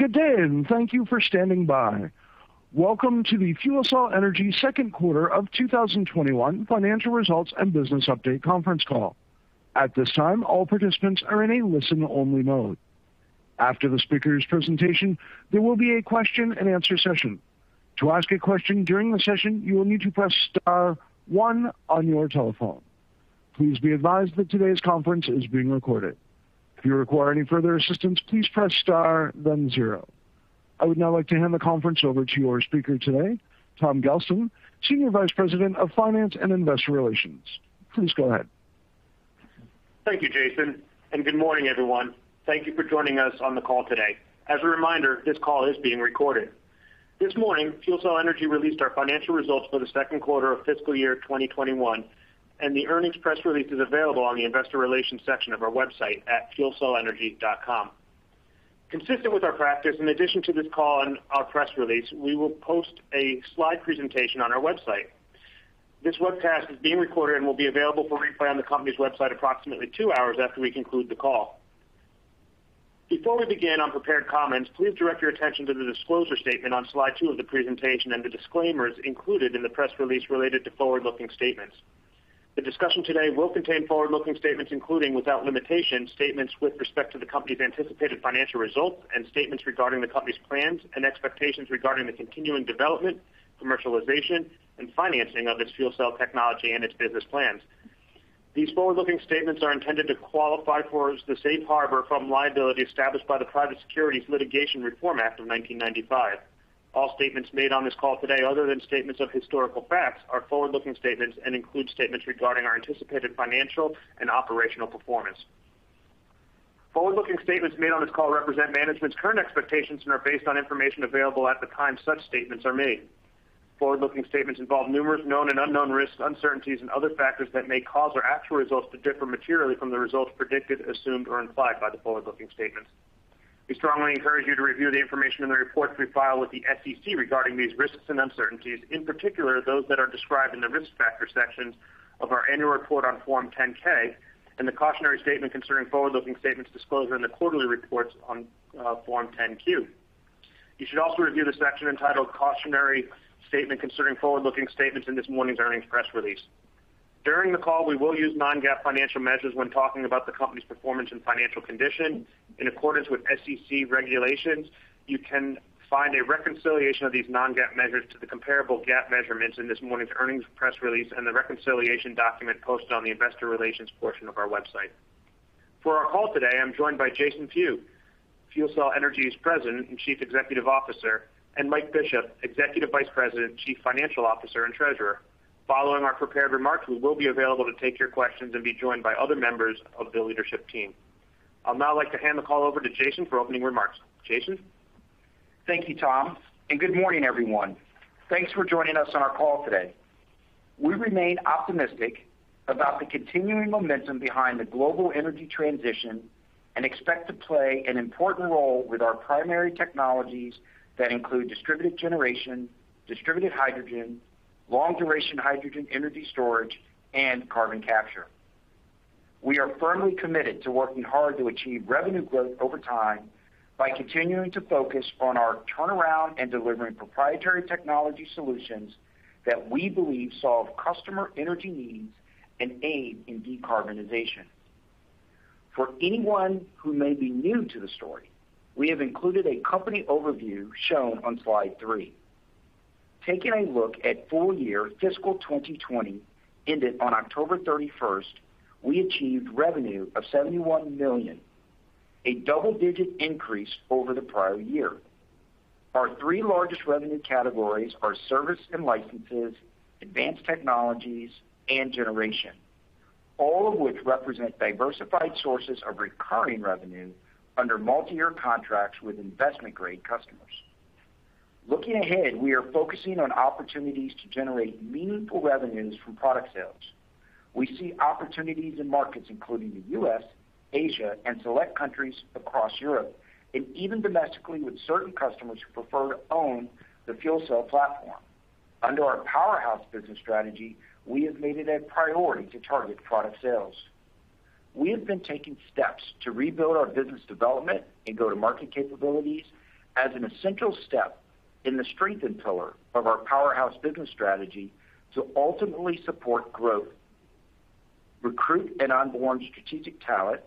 Welcome to the FuelCell Energy second quarter of 2021 financial results and business update conference call. At this time all participants are in a listen only mode. After the speakers presentation there will be a question and answer session. To ask a question during the sesson you need to press star one on your telephone. Please be advised that today's conference is being recorded. If you require any further assistance press star then zero. I would now like to hand the conference over to our speaker today, Tom Gelston, Senior Vice President of Finance and Investor Relations. Please go ahead. Thank you, Jason, and good morning, everyone. Thank you for joining us on the call today. As a reminder, this call is being recorded. This morning, FuelCell Energy released our financial results for the second quarter of fiscal year 2021, and the earnings press release is available on the investor relations section of our website at fuelcellenergy.com. Consistent with our practice, in addition to this call and our press release, we will post a slide presentation on our website. This webcast is being recorded and will be available for replay on the company's website approximately two hours after we conclude the call. Before we begin our prepared comments, please direct your attention to the disclosure statement on slide two of the presentation and the disclaimers included in the press release related to forward-looking statements. The discussion today will contain forward-looking statements including, without limitation, statements with respect to the company's anticipated financial results and statements regarding the company's plans and expectations regarding the continuing development, commercialization, and financing of its fuel cell technology and its business plans. These forward-looking statements are intended to qualify for the safe harbor from liability established by the Private Securities Litigation Reform Act of 1995. All statements made on this call today, other than statements of historical facts, are forward-looking statements and include statements regarding our anticipated financial and operational performance. Forward-looking statements made on this call represent management's current expectations and are based on information available at the time such statements are made. Forward-looking statements involve numerous known and unknown risks, uncertainties, and other factors that may cause our actual results to differ materially from the results predicted, assumed or implied by the forward-looking statements. We strongly encourage you to review the information in the reports we file with the SEC regarding these risks and uncertainties. In particular, those that are described in the Risk Factor section of our annual report on Form 10-K, and the cautionary statement concerning forward-looking statements disclosed in the quarterly reports on Form 10-Q. You should also review the section entitled Cautionary Statement Concerning Forward-Looking Statements in this morning's earnings press release. During the call, we will use non-GAAP financial measures when talking about the company's performance and financial condition. In accordance with SEC regulations, you can find a reconciliation of these non-GAAP measures to the comparable GAAP measurements in this morning's earnings press release and the reconciliation document posted on the investor relations portion of our website. For our call today, I'm joined by Jason Few, FuelCell Energy's President and Chief Executive Officer, and Mike Bishop, Executive Vice President, Chief Financial Officer, and Treasurer. Following our prepared remarks, we will be available to take your questions and be joined by other members of the leadership team. I'll now like to hand the call over to Jason for opening remarks. Jason? Thank you, Tom, and good morning, everyone. Thanks for joining us on our call today. We remain optimistic about the continuing momentum behind the global energy transition and expect to play an important role with our primary technologies that include distributed generation, distributed hydrogen, long-duration hydrogen energy storage, and carbon capture. We are firmly committed to working hard to achieve revenue growth over time by continuing to focus on our turnaround and delivering proprietary technology solutions that we believe solve customer energy needs and aid in decarbonization. For anyone who may be new to the story, we have included a company overview shown on slide three. Taking a look at full year fiscal 2020 ended on October 31st, we achieved revenue of $71 million, a double-digit increase over the prior year. Our three largest revenue categories are service and licenses, advanced technologies, and generation, all of which represent diversified sources of recurring revenue under multi-year contracts with investment-grade customers. Looking ahead, we are focusing on opportunities to generate meaningful revenues from product sales. We see opportunities in markets including the U.S., Asia, and select countries across Europe, and even domestically with certain customers who prefer to own the FuelCell platform. Under our Powerhouse business strategy, we have made it a priority to target product sales. We have been taking steps to rebuild our business development and go-to-market capabilities as an essential step in the strengthen pillar of our Powerhouse business strategy to ultimately support growth, recruit and onboard strategic talent,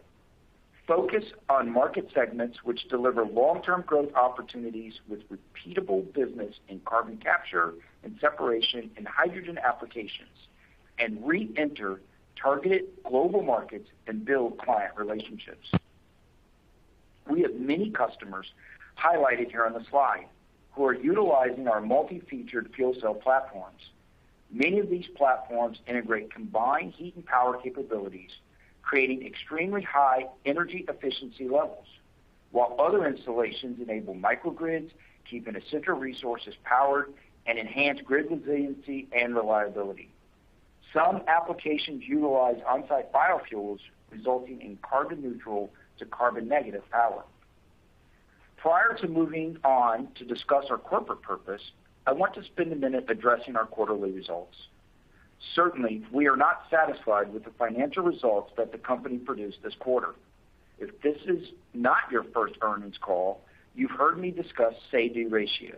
focus on market segments which deliver long-term growth opportunities with repeatable business in carbon capture and separation and hydrogen applications, and reenter target global markets and build client relationships. We have many customers highlighted here on the slide who are utilizing our multi-featured FuelCell platforms. Many of these platforms integrate combined heat and power capabilities, creating extremely high energy efficiency levels, while other installations enable microgrids to keep essential resources powered and enhance grid resiliency and reliability. Some applications utilize on-site biofuels, resulting in carbon neutral to carbon negative power. Prior to moving on to discuss our corporate purpose, I want to spend a minute addressing our quarterly results. Certainly, we are not satisfied with the financial results that the company produced this quarter. If this is not your first earnings call, you've heard me discuss savings ratio.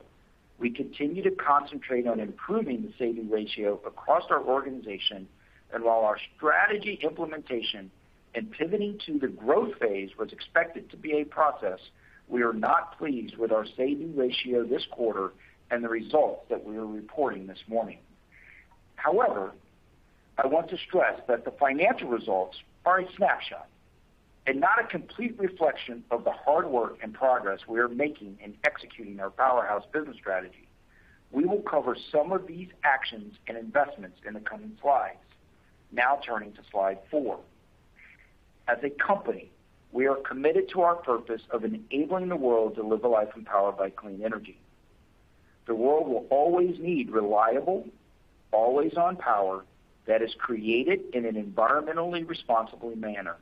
We continue to concentrate on improving the savings ratio across our organization, and while our strategy implementation and pivoting to the growth phase was expected to be a process, we are not pleased with our savings ratio this quarter and the results that we are reporting this morning. However, I want to stress that the financial results are a snapshot and not a complete reflection of the hard work and progress we are making in executing our Powerhouse business strategy. We will cover some of these actions and investments in the coming slides. Now turning to slide four. As a company, we are committed to our purpose of enabling the world to live a life empowered by clean energy. The world will always need reliable, always-on power that is created in an environmentally responsible manner.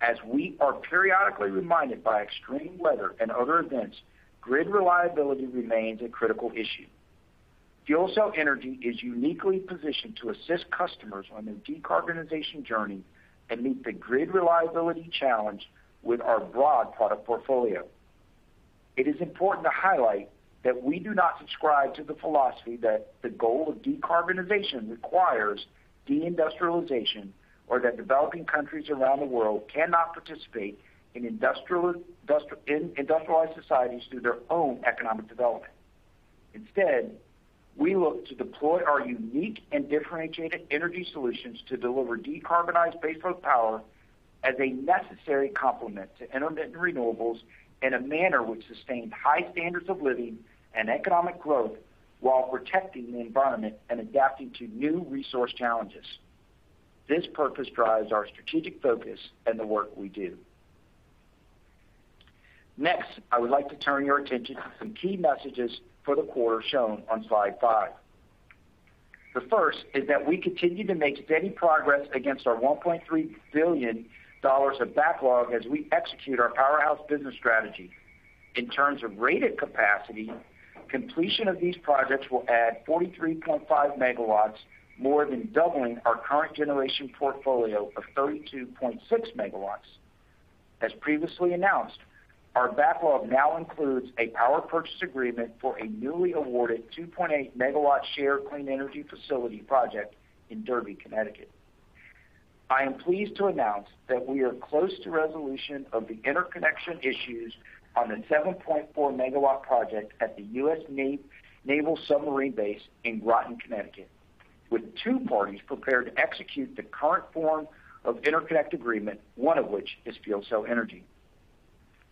As we are periodically reminded by extreme weather and other events, grid reliability remains a critical issue. FuelCell Energy is uniquely positioned to assist customers on their decarbonization journey and meet the grid reliability challenge with our broad product portfolio. It is important to highlight that we do not subscribe to the philosophy that the goal of decarbonization requires de-industrialization, or that developing countries around the world cannot participate in industrialized societies through their own economic development. Instead, we look to deploy our unique and differentiated energy solutions to deliver decarbonized baseload power as a necessary complement to intermittent renewables in a manner which sustains high standards of living and economic growth while protecting the environment and adapting to new resource challenges. This purpose drives our strategic focus and the work we do. Next, I would like to turn your attention to some key messages for the quarter shown on slide five. The first is that we continue to make steady progress against our $1.3 billion of backlog as we execute our Powerhouse business strategy. In terms of rated capacity, completion of these projects will add 43.5 MW, more than doubling our current generation portfolio of 32.6 MW. As previously announced, our backlog now includes a power purchase agreement for a newly awarded 2.8 MW Shared Clean Energy Facility project in Derby, Connecticut. I am pleased to announce that we are close to resolution of the interconnection issues on the 7.4 MW project at the U.S. Naval Submarine Base in Groton, Connecticut, with two parties prepared to execute the current form of interconnect agreement, one of which is FuelCell Energy.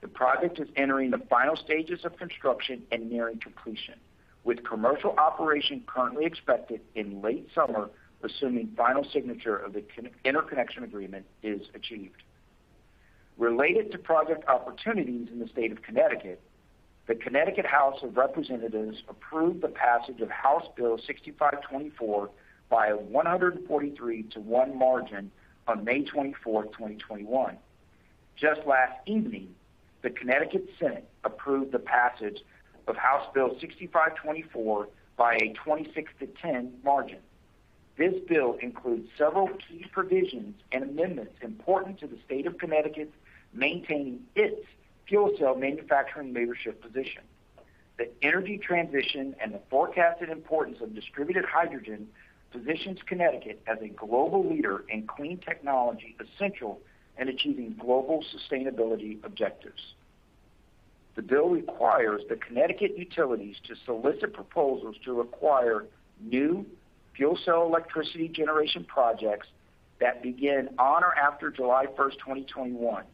The project is entering the final stages of construction and nearing completion, with commercial operation currently expected in late summer, assuming final signature of the interconnection agreement is achieved. Related to project opportunities in the state of Connecticut, the Connecticut House of Representatives approved the passage of House Bill 6524 by a 143:1 margin on May 24th, 2021. Just last evening, the Connecticut Senate approved the passage of House Bill 6524 by a 26:10 margin. This bill includes several key provisions and amendments important to the state of Connecticut maintaining its fuel cell manufacturing leadership position. The energy transition and the forecasted importance of distributed hydrogen positions Connecticut as a global leader in clean technology essential in achieving global sustainability objectives. The bill requires the Connecticut utilities to solicit proposals to acquire new fuel cell electricity generation projects that begin on or after July 1st, 2021.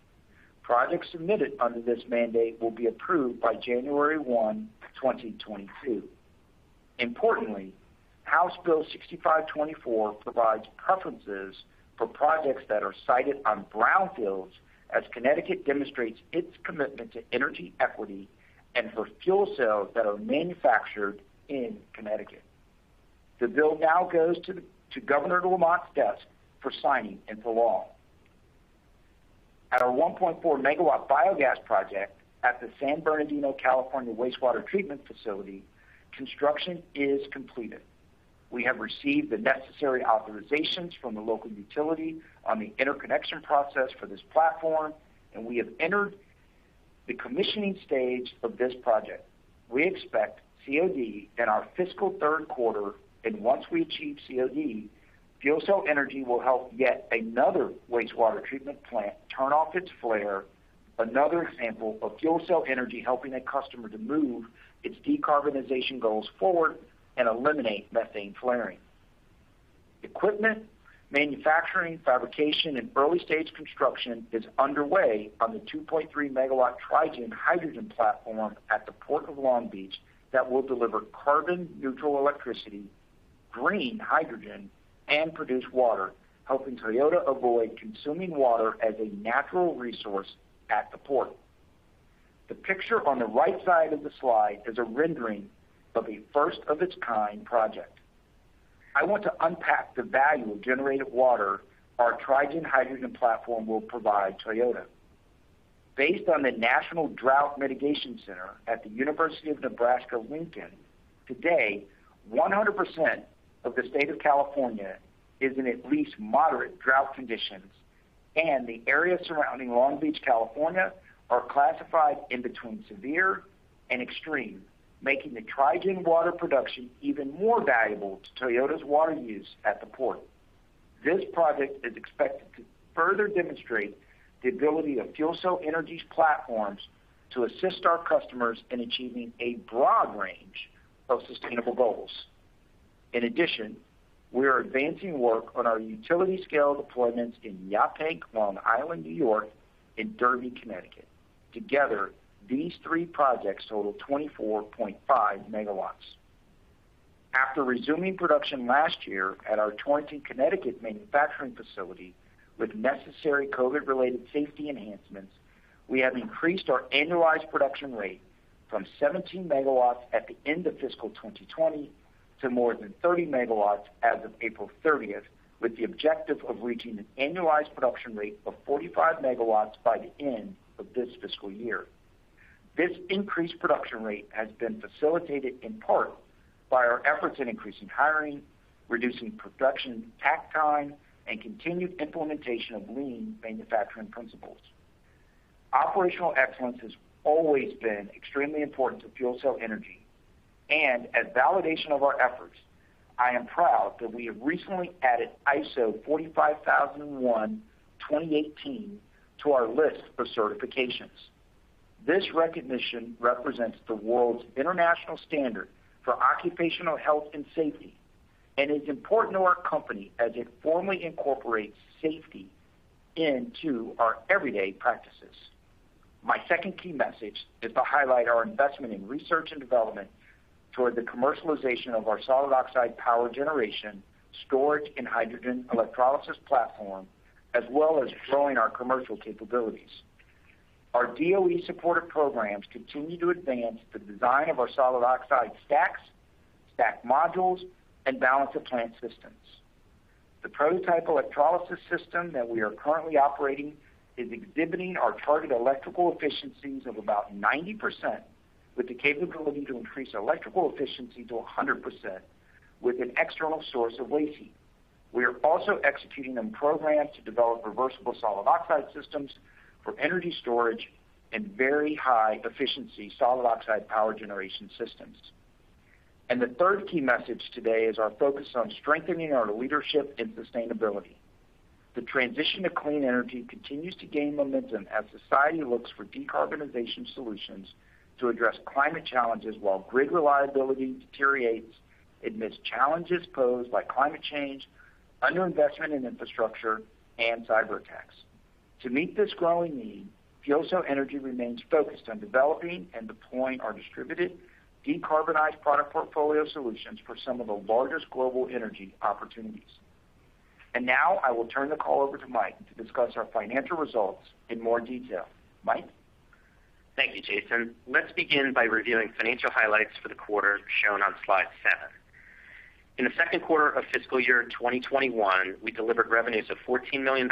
Projects submitted under this mandate will be approved by January 1, 2022. Importantly, House Bill 6524 provides preferences for projects that are sited on brownfields as Connecticut demonstrates its commitment to energy equity and for fuel cells that are manufactured in Connecticut. The bill now goes to Governor Lamont's desk for signing into law. At our 1.4 MW biogas project at the San Bernardino, California Wastewater Treatment Facility, construction is completed. We have received the necessary authorizations from the local utility on the interconnection process for this platform, and we have entered the commissioning stage of this project. We expect COD in our fiscal third quarter, and once we achieve COD, FuelCell Energy will help yet another wastewater treatment plant turn off its flare, another example of FuelCell Energy helping a customer to move its decarbonization goals forward and eliminate methane flaring. Equipment, manufacturing, fabrication, and early-stage construction is underway on the 2.3 MW Tri-gen hydrogen platform at the Port of Long Beach that will deliver carbon-neutral electricity, green hydrogen, and produce water, helping Toyota avoid consuming water as a natural resource at the port. The picture on the right side of the slide is a rendering of a first of its kind project. I want to unpack the value of generated water our Tri-gen hydrogen platform will provide Toyota. Based on the National Drought Mitigation Center at the University of Nebraska–Lincoln, today, 100% of the state of California is in at least moderate drought conditions, and the areas surrounding Long Beach, California, are classified in between severe and extreme, making the Tri-gen water production even more valuable to Toyota's water use at the port. This project is expected to further demonstrate the ability of FuelCell Energy's platforms to assist our customers in achieving a broad range of sustainable goals. In addition, we are advancing work on our utility-scale deployments in Yaphank, Long Island, N.Y., and Derby, Connecticut. Together, these three projects total 24.5 MW. After resuming production last year at our Torrington, Connecticut manufacturing facility with necessary COVID-related safety enhancements, we have increased our annualized production rate from 17 MW at the end of fiscal 2020 to more than 30 MW as of April 30th, with the objective of reaching an annualized production rate of 45 MW by the end of this fiscal year. This increased production rate has been facilitated in part by our efforts in increasing hiring, reducing production takt time, and continued implementation of lean manufacturing principles. Operational excellence has always been extremely important to FuelCell Energy. As validation of our efforts, I am proud that we have recently added ISO 45001:2018 to our list of certifications. This recognition represents the world's international standard for occupational health and safety, and is important to our company as it formally incorporates safety into our everyday practices. My second key message is to highlight our investment in research and development toward the commercialization of our solid oxide power generation, storage, and hydrogen electrolysis platform, as well as growing our commercial capabilities. Our DOE-supported programs continue to advance the design of our solid oxide stacks, stack modules, and balance of plant systems. The prototype electrolysis system that we are currently operating is exhibiting our target electrical efficiencies of about 90%, with the capability to increase electrical efficiency to 100% with an external source of waste heat. We are also executing on programs to develop reversible solid oxide systems for energy storage and very high-efficiency solid oxide power generation systems. The third key message today is our focus on strengthening our leadership and sustainability. The transition to clean energy continues to gain momentum as society looks for decarbonization solutions to address climate challenges while grid reliability deteriorates amidst challenges posed by climate change, underinvestment in infrastructure, and cyberattacks. To meet this growing need, FuelCell Energy remains focused on developing and deploying our distributed, decarbonized product portfolio solutions for some of the largest global energy opportunities. Now, I will turn the call over to Mike to discuss our financial results in more detail. Mike? Thank you, Jason. Let's begin by reviewing financial highlights for the quarter shown on slide seven. In the second quarter of fiscal year 2021, we delivered revenues of $14 million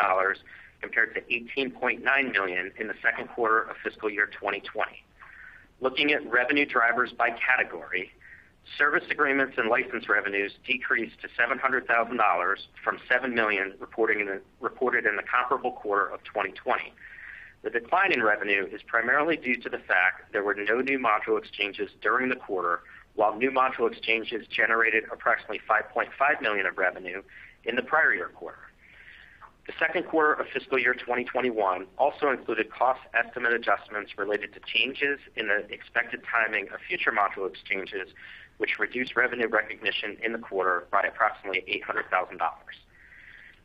compared to $18.9 million in the second quarter of fiscal year 2020. Looking at revenue drivers by category, service agreements and license revenues decreased to $700,000 from $7 million reported in the comparable quarter of 2020. The decline in revenue is primarily due to the fact there were no new module exchanges during the quarter, while new module exchanges generated approximately $5.5 million of revenue in the prior year quarter. The second quarter of fiscal year 2021 also included cost estimate adjustments related to changes in the expected timing of future module exchanges, which reduced revenue recognition in the quarter by approximately $800,000.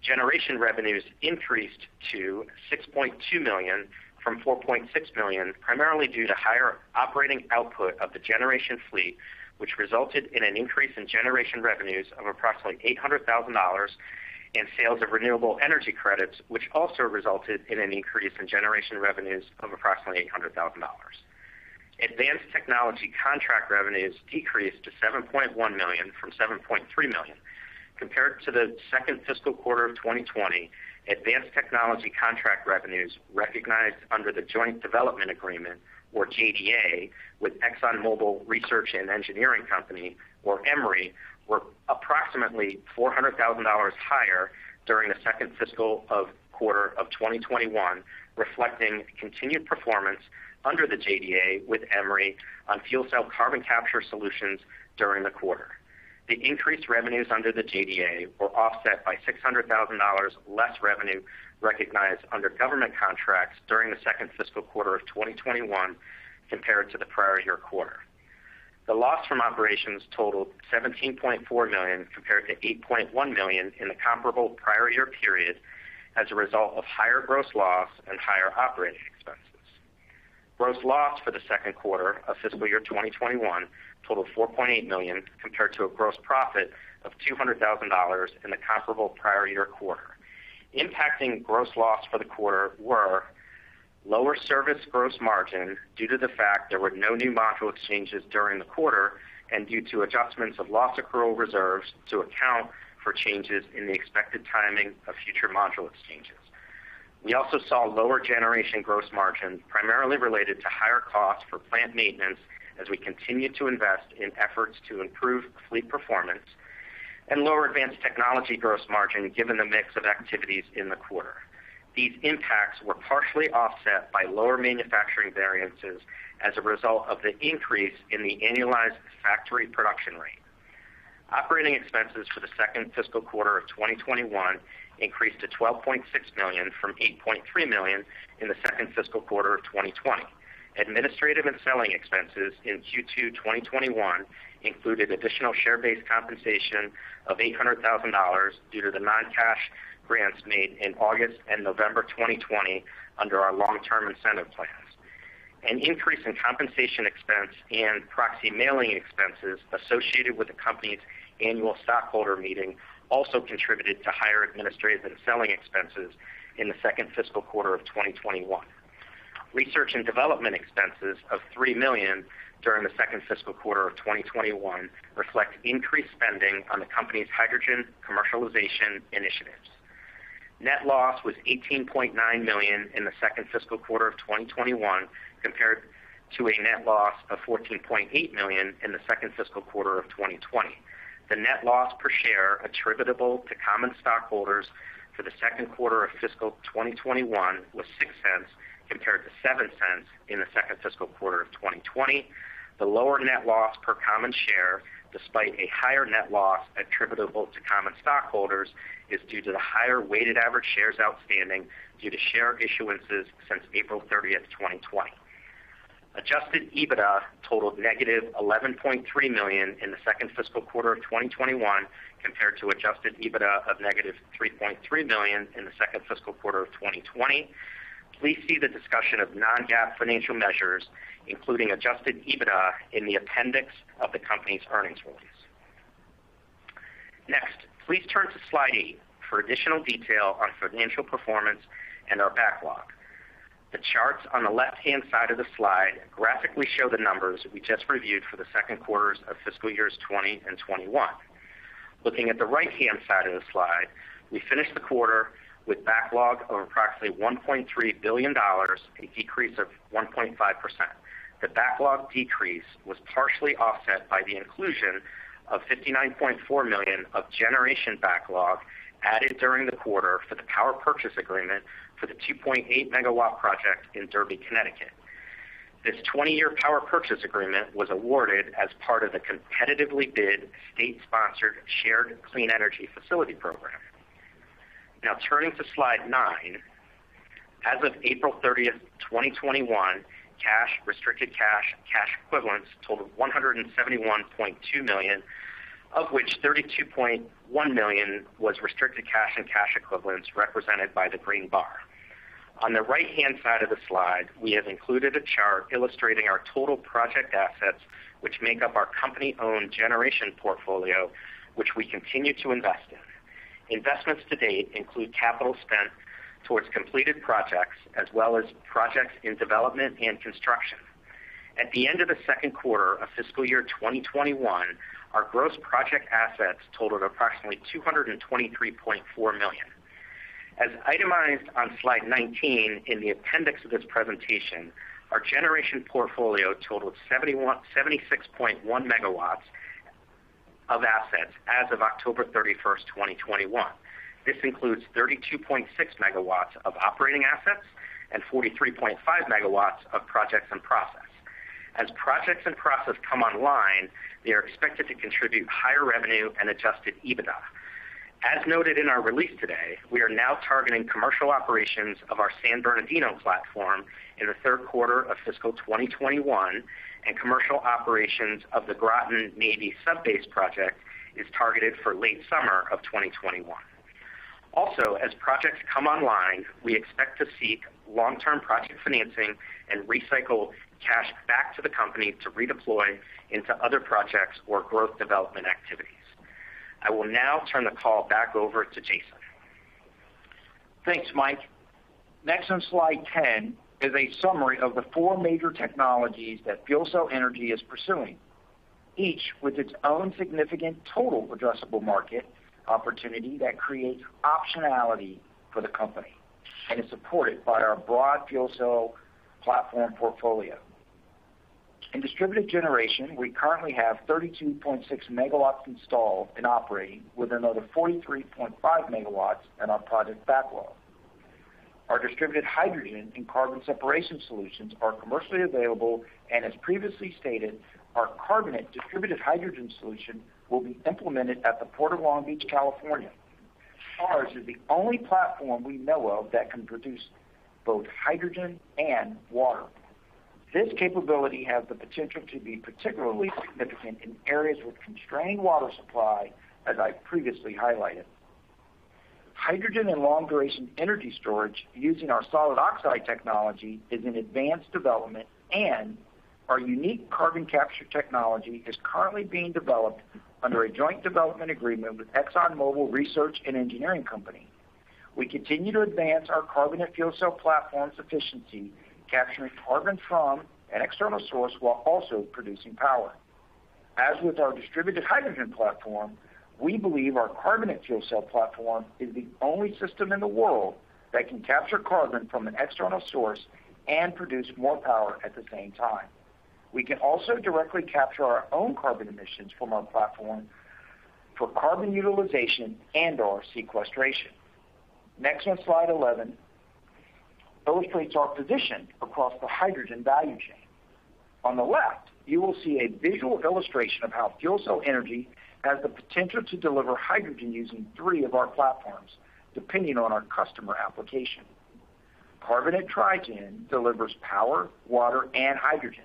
Generation revenues increased to $6.2 million from $4.6 million, primarily due to higher operating output of the generation fleet, which resulted in an increase in generation revenues of approximately $800,000, and sales of renewable energy credits, which also resulted in an increase in generation revenues of approximately $800,000. Advanced technology contract revenues decreased to $7.1 million from $7.3 million. Compared to the second fiscal quarter of 2020, advanced technology contract revenues recognized under the Joint Development Agreement, or JDA, with ExxonMobil Research and Engineering Company, or EMRE, were approximately $400,000 higher during the second fiscal quarter of 2021, reflecting continued performance under the JDA with EMRE on fuel cell carbon capture solutions during the quarter. The increased revenues under the JDA were offset by $600,000 less revenue recognized under government contracts during the second fiscal quarter of 2021 compared to the prior year quarter. The loss from operations totaled $17.4 million compared to $8.1 million in the comparable prior year period as a result of higher gross loss and higher operating expenses. Gross loss for the second quarter of fiscal year 2021 totaled $4.8 million compared to a gross profit of $200,000 in the comparable prior year quarter. Impacting gross loss for the quarter were lower service gross margin due to the fact there were no new module exchanges during the quarter and due to adjustments of loss accrual reserves to account for changes in the expected timing of future module exchanges. We also saw lower generation gross margin primarily related to higher costs for plant maintenance as we continue to invest in efforts to improve fleet performance, and lower advanced technology gross margin given the mix of activities in the quarter. These impacts were partially offset by lower manufacturing variances as a result of the increase in the annualized factory production rate. Operating expenses for the second fiscal quarter of 2021 increased to $12.6 million from $8.3 million in the second fiscal quarter of 2020. Administrative and selling expenses in Q2 2021 included additional share-based compensation of $800,000 due to the non-cash grants made in August and November 2020 under our long-term incentive plans. An increase in compensation expense and proxy mailing expenses associated with the company's annual stockholder meeting also contributed to higher administrative and selling expenses in the second fiscal quarter of 2021. Research and development expenses of $3 million during the second fiscal quarter of 2021 reflect increased spending on the company's hydrogen commercialization initiatives. Net loss was $18.9 million in the second fiscal quarter of 2021 compared to a net loss of $14.8 million in the second fiscal quarter of 2020. The net loss per share attributable to common stockholders for the second quarter of fiscal 2021 was $0.06 compared to $0.07 in the second fiscal quarter of 2020. The lower net loss per common share, despite a higher net loss attributable to common stockholders, is due to the higher weighted average shares outstanding due to share issuances since April 30th, 2020. Adjusted EBITDA totaled $-11.3 million in the second fiscal quarter of 2021 compared to adjusted EBITDA of $-3.3 million in the second fiscal quarter of 2020. Please see the discussion of non-GAAP financial measures, including adjusted EBITDA, in the appendix of the company's earnings release. Next, please turn to slide eight for additional detail on financial performance and our backlog. The charts on the left-hand side of the slide graphically show the numbers we just reviewed for the second quarters of fiscal years 2020 and 2021. Looking at the right-hand side of the slide, we finished the quarter with backlog of approximately $1.3 billion, a decrease of 1.5%. The backlog decrease was partially offset by the inclusion of $59.4 million of generation backlog added during the quarter for the power purchase agreement for the 2.8 MW project in Derby, Connecticut. This 20-year power purchase agreement was awarded as part of the competitively bid, state-sponsored Shared Clean Energy Facility program. Now turning to slide nine. As of April 30th, 2021, cash, restricted cash, and cash equivalents totaled $171.2 million, of which $32.1 million was restricted cash and cash equivalents represented by the green bar. On the right-hand side of the slide, we have included a chart illustrating our total project assets, which make up our company-owned generation portfolio, which we continue to invest in. Investments to date include capital spent towards completed projects as well as projects in development and construction. At the end of the second quarter of fiscal year 2021, our gross project assets totaled approximately $223.4 million. As itemized on slide 19 in the appendix of this presentation, our generation portfolio totaled 76.1 MW of assets as of October 31st, 2021. This includes 32.6 MW of operating assets and 43.5 MW of projects in process. As projects in process come online, they are expected to contribute higher revenue and adjusted EBITDA. As noted in our release today, we are now targeting commercial operations of our San Bernardino platform in the third quarter of fiscal 2021, and commercial operations of the Groton Navy Sub Base project is targeted for late summer of 2021. As projects come online, we expect to seek long-term project financing and recycle cash back to the company to redeploy into other projects or growth development activities. I will now turn the call back over to Jason. Thanks, Mike. Next on slide 10 is a summary of the four major technologies that FuelCell Energy is pursuing, each with its own significant total addressable market opportunity that creates optionality for the company and is supported by our broad FuelCell platform portfolio. In distributed generation, we currently have 32.6 MW installed and operating with another 43.5 MW in our project backlog. Our distributed hydrogen and carbon separation solutions are commercially available. As previously stated, our carbonate distributed hydrogen solution will be implemented at the Port of Long Beach, California. Ours is the only platform we know that can produce both hydrogen and water. This capability has the potential to be particularly significant in areas with constrained water supply, as I previously highlighted. Hydrogen and long-duration energy storage using our solid oxide technology is in advanced development, and our unique carbon capture technology is currently being developed under a joint development agreement with ExxonMobil Research and Engineering Company. We continue to advance our carbon and fuel cell platform's efficiency, capturing carbon from an external source while also producing power. As with our distributed hydrogen platform, we believe our carbonate fuel cell platform is the only system in the world that can capture carbon from an external source and produce more power at the same time. We can also directly capture our own carbon emissions from our platform for carbon utilization and/or sequestration. Next, on slide 11, illustrates our position across the hydrogen value chain. On the left, you will see a visual illustration of how FuelCell Energy has the potential to deliver hydrogen using three of our platforms, depending on our customer application. Carbonate Tri-gen delivers power, water, and hydrogen,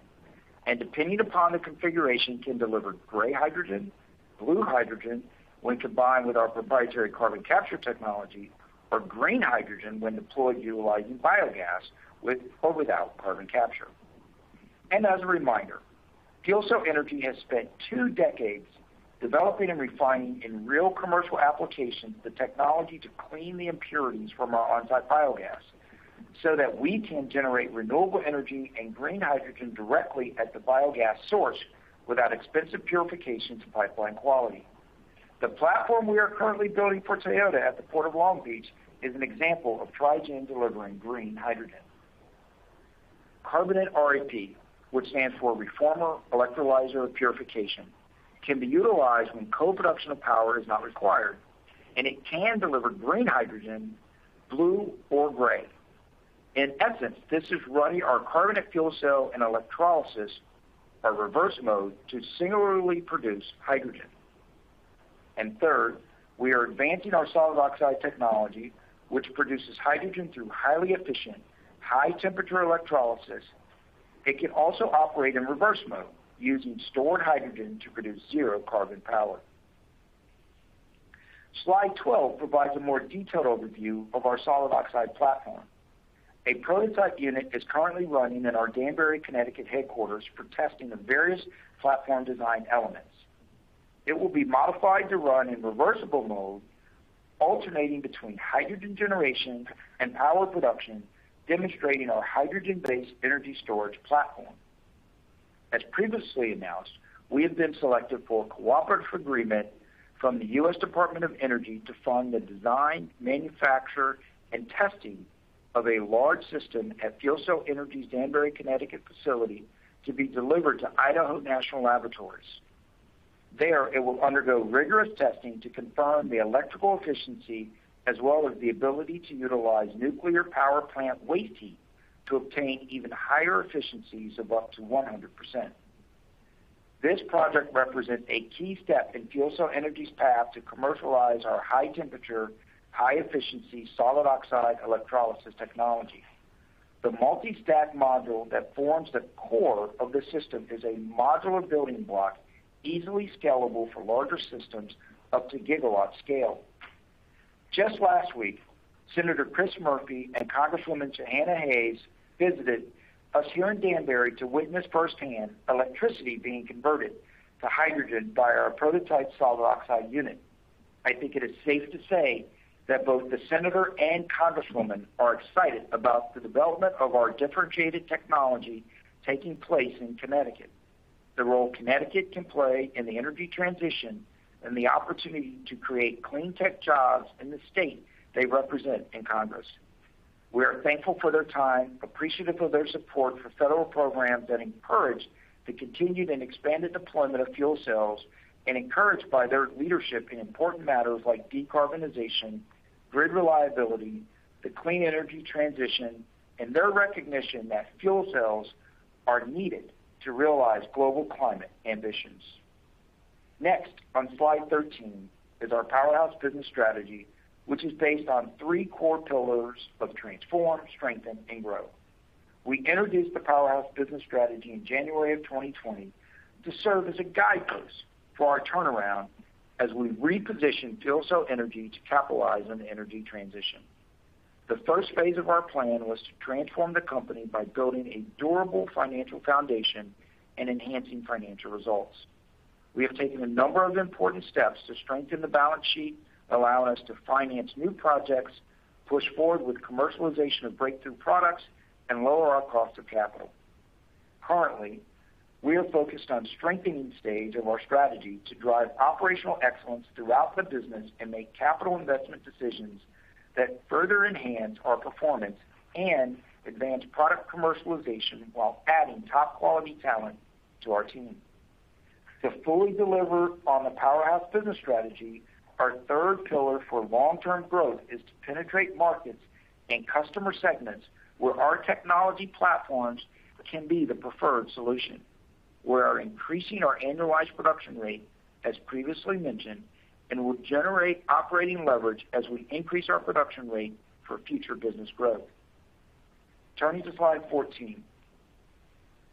and depending upon the configuration, can deliver gray hydrogen, blue hydrogen when combined with our proprietary carbon capture technology, or green hydrogen when deployed utilizing biogas with or without carbon capture. As a reminder, FuelCell Energy has spent two decades developing and refining, in real commercial applications, the technology to clean the impurities from our onsite biogas so that we can generate renewable energy and green hydrogen directly at the biogas source without expensive purification to pipeline quality. The platform we are currently building for Toyota at the Port of Long Beach is an example of Tri-gen delivering green hydrogen. Carbonate REP, which stands for reformer electrolyzer purification, can be utilized when co-production of power is not required, and it can deliver green hydrogen, blue or gray. In essence, this is running our carbonate fuel cell and electrolysis or reverse mode to singularly produce hydrogen. Third, we are advancing our solid oxide technology, which produces hydrogen through highly efficient, high temperature electrolysis. It can also operate in reverse mode, using stored hydrogen to produce zero carbon power. Slide 12 provides a more detailed overview of our solid oxide platform. A prototype unit is currently running at our Danbury, Connecticut headquarters for testing of various platform design elements. It will be modified to run in reversible mode, alternating between hydrogen generation and power production, demonstrating our hydrogen-based energy storage platform. As previously announced, we have been selected for a cooperative agreement from the U.S. Department of Energy to fund the design, manufacture, and testing of a large system at FuelCell Energy's Danbury, Connecticut facility to be delivered to Idaho National Laboratory. There, it will undergo rigorous testing to confirm the electrical efficiency, as well as the ability to utilize nuclear power plant waste heat to obtain even higher efficiencies of up to 100%. This project represents a key step in FuelCell Energy's path to commercialize our high temperature, high efficiency, solid oxide electrolysis technology. The multi-stack module that forms the core of this system is a modular building block, easily scalable for larger systems up to gigawatt scale. Just last week, Senator Chris Murphy and Congresswoman Jahana Hayes visited us here in Danbury to witness firsthand electricity being converted to hydrogen by our prototype solid oxide unit. I think it is safe to say that both the Senator and Congresswoman are excited about the development of our differentiated technology taking place in Connecticut, the role Connecticut can play in the energy transition, and the opportunity to create clean tech jobs in the state they represent in Congress. We are thankful for their time, appreciative of their support for federal programs that encourage the continued and expanded deployment of fuel cells, and encouraged by their leadership in important matters like decarbonization, grid reliability, the clean energy transition, and their recognition that fuel cells are needed to realize global climate ambitions. Next, on slide 13, is our Powerhouse business strategy, which is based on three core pillars of transform, strengthen, and grow. We introduced the Powerhouse business strategy in January of 2020 to serve as a guidepost for our turnaround as we reposition FuelCell Energy to capitalize on the energy transition. The first phase of our plan was to transform the company by building a durable financial foundation and enhancing financial results. We have taken a number of important steps to strengthen the balance sheet, allow us to finance new projects, push forward with commercialization of breakthrough products, and lower our cost of capital. Currently, we are focused on strengthening stage of our strategy to drive operational excellence throughout the business and make capital investment decisions that further enhance our performance and advance product commercialization while adding top quality talent to our team. To fully deliver on the Powerhouse business strategy, our third pillar for long-term growth is to penetrate markets and customer segments where our technology platforms can be the preferred solution. We are increasing our annualized production rate, as previously mentioned, and will generate operating leverage as we increase our production rate for future business growth. Turning to slide 14,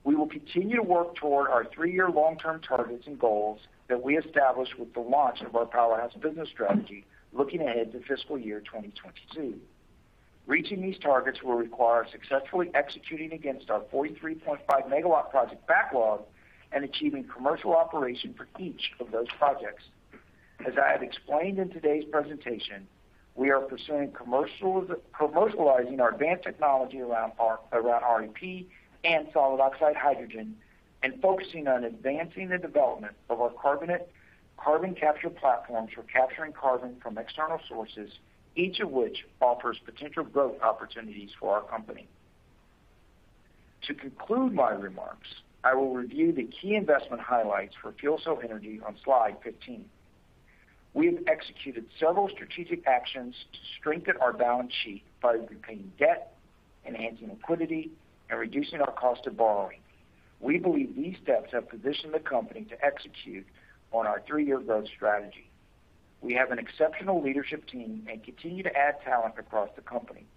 we will continue to work toward our three-year long-term targets and goals that we established with the launch of our Powerhouse business strategy looking ahead to fiscal year 2022. Reaching these targets will require successfully executing against our 43.5 MW project backlog and achieving commercial operation for each of those projects. As I have explained in today's presentation, we are pursuing commercializing our advanced technology around REP and solid oxide hydrogen and focusing on advancing the development of our carbon capture platforms for capturing carbon from external sources, each of which offers potential growth opportunities for our company. To conclude my remarks, I will review the key investment highlights for FuelCell Energy on slide 15. We have executed several strategic actions to strengthen our balance sheet by repaying debt, enhancing liquidity, and reducing our cost of borrowing. We believe these steps have positioned the company to execute on our three-year growth strategy. We have an exceptional leadership team and continue to add talent across the company.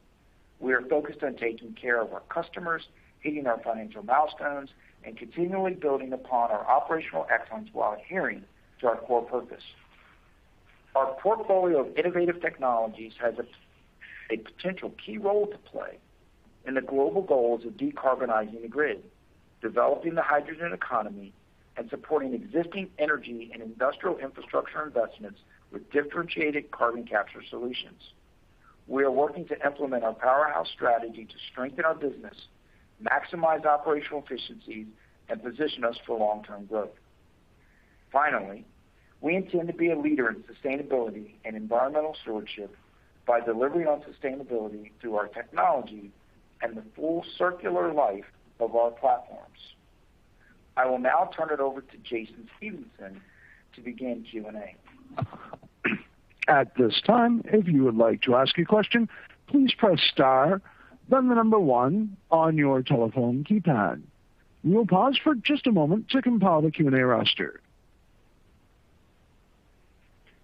We are focused on taking care of our customers, hitting our financial milestones, and continually building upon our operational excellence while adhering to our core purpose. Our portfolio of innovative technologies has a potential key role to play in the global goals of decarbonizing the grid, developing the hydrogen economy, and supporting existing energy and industrial infrastructure investments with differentiated carbon capture solutions. We are working to implement our Powerhouse strategy to strengthen our business, maximize operational efficiencies, and position us for long-term growth. Finally, we intend to be a leader in sustainability and environmental stewardship by delivering on sustainability through our technology and the full circular life of our platforms. I will now turn it over to Jason Stevenson to begin Q&A.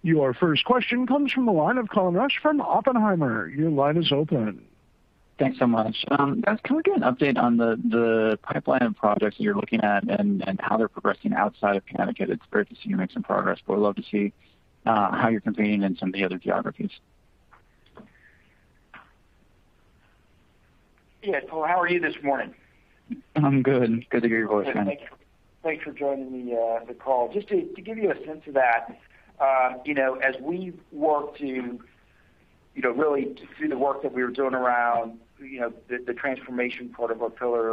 Your first question comes from the line of Colin Rusch from Oppenheimer. Your line is open. Thanks so much. Can we get an update on the pipeline of projects you're looking at and how they're progressing outside of Connecticut? It's great to see you make some progress. We'd love to see how you're competing in some of the other geographies. Yeah. Colin, how are you this morning? I'm good. Good to hear your voice, Jason. Thanks for joining the call. Just to give you a sense of that, as we work to really just do the work that we were doing around the transformation part of our pillar,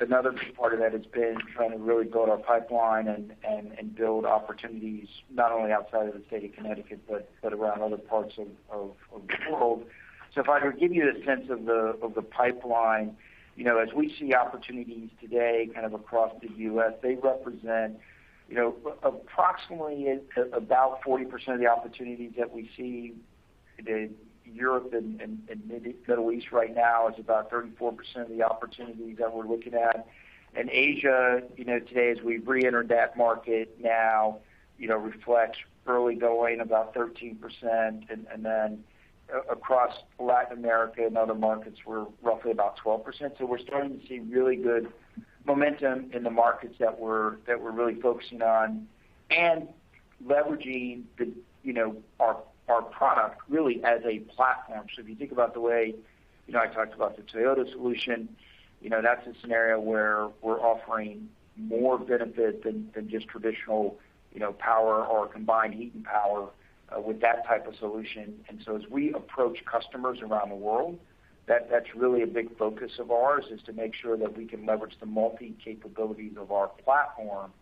another big part of that has been trying to really build our pipeline and build opportunities not only outside of the state of Connecticut, but around other parts of the world. If I could give you a sense of the pipeline. As we see opportunities today across the U.S., they represent approximately about 40% of the opportunities that we see today. Europe and Middle East right now is about 34% of the opportunities that we're looking at. Asia, today as we've re-entered that market now, reflects really going about 13%. Across Latin America and other markets, we're roughly about 12%. We're starting to see really good momentum in the markets that we're really focusing on and leveraging our product really as a platform. If you think about the way I talked about the Toyota solution, that's a scenario where we're offering more benefit than just traditional power or combined heat and power with that type of solution. As we approach customers around the world, that's really a big focus of ours, is to make sure that we can leverage the multi capabilities of our platform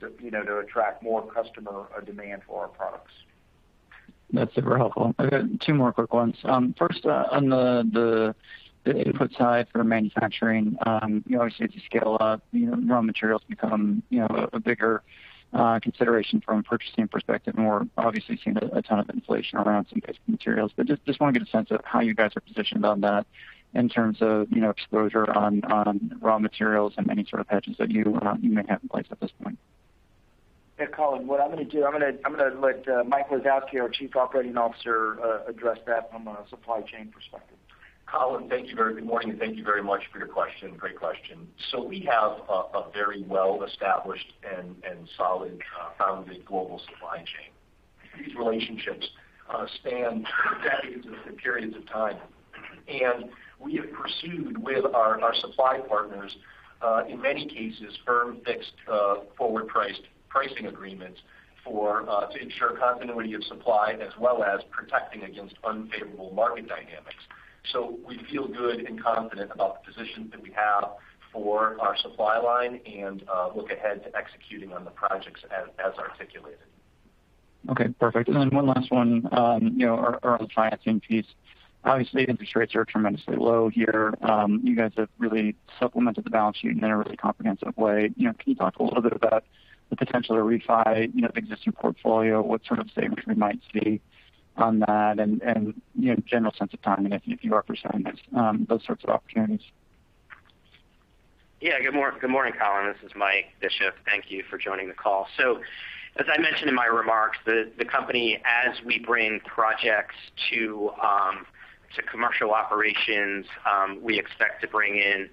to attract more customer demand for our products. That's super helpful. I got two more quick ones. First, on the input side for manufacturing, obviously as you scale up, raw materials become a bigger consideration from a purchasing perspective, and we're obviously seeing a ton of inflation around some basic materials. Just want to get a sense of how you guys are positioned on that in terms of exposure on raw materials and any sort of hedges that you may have in place at this point. Yeah, Colin, what I'm going to do, I'm going to let Mike Lisowski, our Chief Operating Officer, address that from a supply chain perspective. Colin, good morning. Thank you very much for your question. Great question. We have a very well-established and solid founded global supply chain. These relationships span decades of periods of time, and we have pursued with our supply partners, in many cases, firm fixed forward pricing agreements to ensure continuity of supply as well as protecting against unfavorable market dynamics. We feel good and confident about the positions that we have for our supply line and look ahead to executing on the projects as articulated. Okay, perfect. Then one last one, our financing piece. Obviously interest rates are tremendously low here. You guys have really supplemented the balance sheet in a really comprehensive way. Can you talk a little bit about the potential to refi existing portfolio? What sort of savings we might see on that and general sense of timing, if you are pursuing those sorts of opportunities? Yeah. Good morning, Colin. This is Mike Bishop. Thank you for joining the call. As I mentioned in my remarks, the company, as we bring projects to commercial operations, we expect to bring in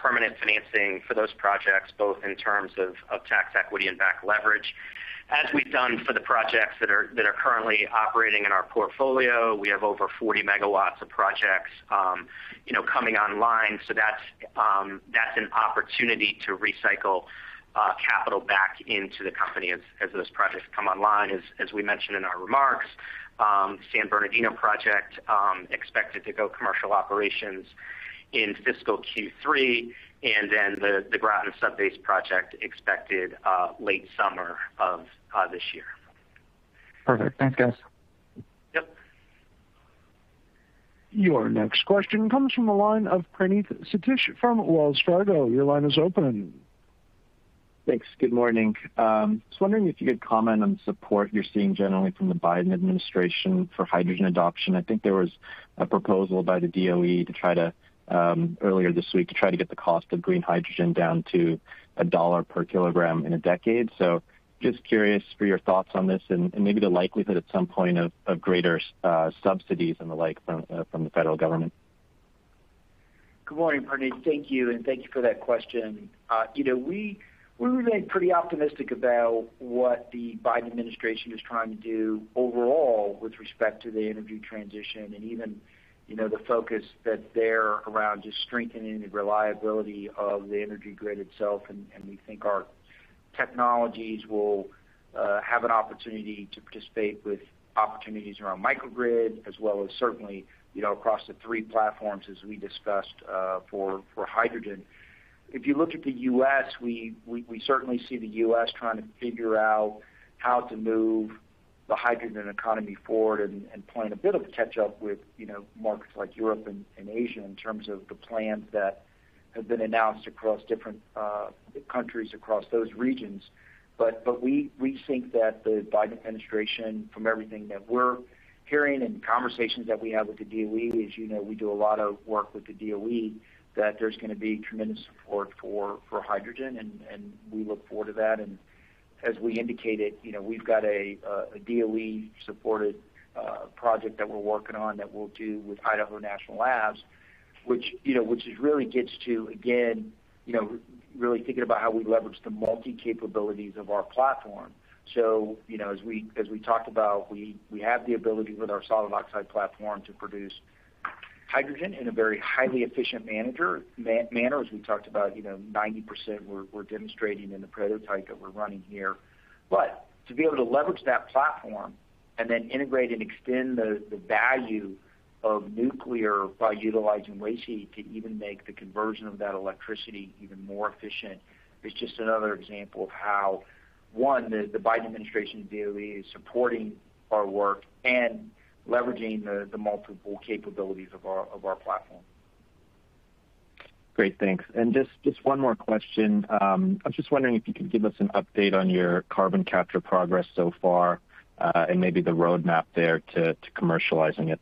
permanent financing for those projects both in terms of tax equity and back leverage. As we've done for the projects that are currently operating in our portfolio, we have over 40 MW of projects coming online. That's an opportunity to recycle capital back into the company as those projects come online. As we mentioned in our remarks, San Bernardino project expected to go commercial operations in fiscal Q3, and then the Groton Sub Base project expected late summer of this year. Perfect. Thanks, guys. Yep. Your next question comes from the line of Praneeth Satish from Wells Fargo. Your line is open. Thanks. Good morning. Just wondering if you could comment on support you're seeing generally from the Biden administration for hydrogen adoption. I think there was a proposal by the DOE earlier this week to try to get the cost of green hydrogen down to $1 per kilogram in a decade. Just curious for your thoughts on this and maybe the likelihood at some point of greater subsidies and the like from the federal government. Good morning, Praneeth. Thank you, and thank you for that question. We remain pretty optimistic about what the Biden administration is trying to do overall with respect to the energy transition, and even the focus that they're around just strengthening the reliability of the energy grid itself. We think our technologies will have an opportunity to participate with opportunities around microgrid as well as certainly, across the three platforms as we discussed for hydrogen. If you look at the U.S., we certainly see the U.S. trying to figure out how to move the hydrogen economy forward and playing a bit of a catch up with markets like Europe and Asia in terms of the plans that have been announced across different countries across those regions. We think that the Biden administration, from everything that we're hearing and conversations that we have with the DOE, as you know, we do a lot of work with the DOE, that there's going to be tremendous support for hydrogen, and we look forward to that. As we indicated, we've got a DOE-supported project that we're working on that we'll do with Idaho National Labs, which really gets to, again, really thinking about how we leverage the multi-capabilities of our platform. As we talked about, we have the ability with our solid oxide platform to produce hydrogen in a very highly efficient manner, as we talked about, 90% we're demonstrating in the prototype that we're running here. To be able to leverage that platform and then integrate and extend the value of nuclear by utilizing waste heat to even make the conversion of that electricity even more efficient is just another example of how, one, the Biden administration DOE is supporting our work and leveraging the multiple capabilities of our platform. Great. Thanks. Just one more question. I'm just wondering if you could give us an update on your carbon capture progress so far, and maybe the roadmap there to commercializing it.